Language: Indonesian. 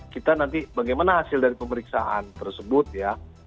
kita nanti bagaimana hasil dari pemeriksaan tersebut ya